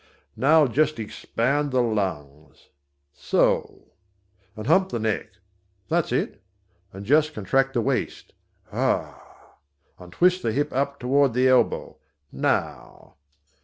Now just expand the lungs! So! And hump the neck that's it and just contract the waist ha! and twist the hip up toward the elbow now!